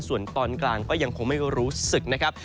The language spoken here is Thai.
ส่วนตอนกลางก็ยังคงไม่รู้สึกนะครับ